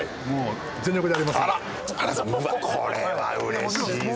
これはうれしいぞ。